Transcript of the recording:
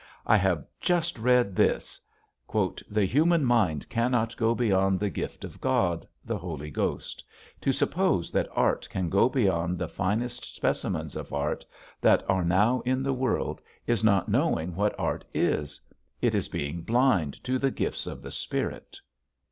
I have just read this: "The human mind cannot go beyond the gift of God, the Holy Ghost. To suppose that Art can go beyond the finest specimens of Art that are now in the world is not knowing what Art is; it is being blind to the gifts of the Spirit."